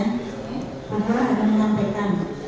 mereka hanya menyampaikan